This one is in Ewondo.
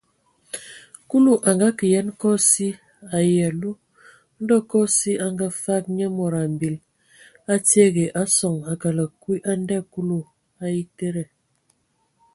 Kulu a ngakǝ yen kosi ai alu, ndɔ kosi a ngafag nye mod mbil a tiege a sɔŋ a kələg kwi a ndɛ Kulu a etede.